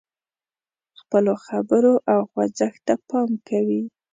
خپلو خبرو او خوځښت ته پام کوي.